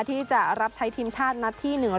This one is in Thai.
ที่จะรับใช้ทีมชาตินัดที่๑